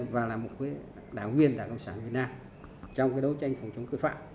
và là một đảng quyền đảng công sản việt nam trong cái đấu tranh phòng chống cư phạm